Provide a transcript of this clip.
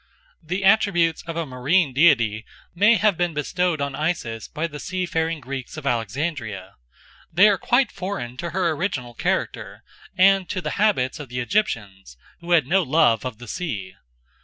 The attributes of a marine deity may have been bestowed on Isis by the sea faring Greeks of Alexandria. They are quite foreign to her original character and to the habits of the Egyptians, who had no love of the sea.